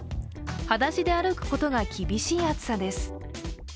はだしで歩くことが厳しい暑さです。